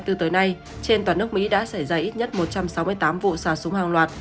trên toàn nước mỹ đã xảy ra ít nhất một trăm sáu mươi tám vụ xả súng hàng loạt